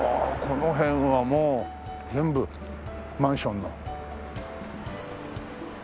この辺はもう全部マンションの。